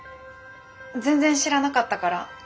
全然知らなかったから。